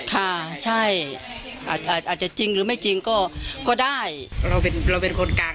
ค่ะใช่อาจจะจริงหรือไม่จริงก็ได้เราเป็นคนกลาง